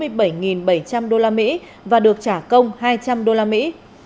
daniel nhận từ bà hân bốn mươi bảy đồng và được trả công hai trăm linh đô la mỹ